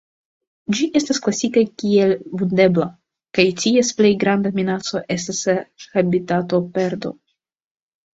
Ĝi estas klasita kiel Vundebla, kaj ties plej granda minaco estas habitatoperdo.